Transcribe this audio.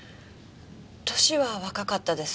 歳は若かったです。